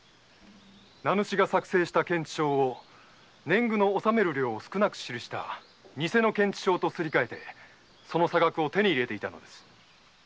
名主が作成した検地帳を年貢を少なく記した偽の検地帳とすり替えてその差額を手に入れていたのです。